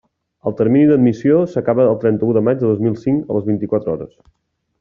El termini d'admissió s'acaba el trenta-u de maig de dos mil cinc, a les vint-i-quatre hores.